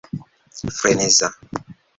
freneza